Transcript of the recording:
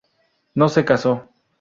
No se caso.